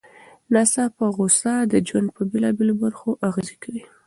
ناڅاپه غوسه د ژوند په بېلابېلو برخو اغېز کوي.